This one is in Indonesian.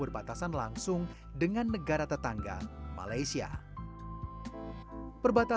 pada saat ini ya ya